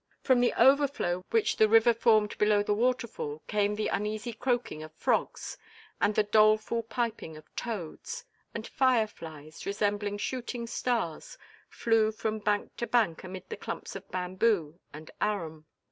From the overflow which the river formed below the waterfall came the uneasy croaking of frogs and the doleful piping of toads, and fireflies, resembling shooting stars, flew from bank to bank amid the clumps of bamboo and arum.